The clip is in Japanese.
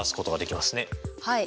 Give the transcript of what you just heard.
はい。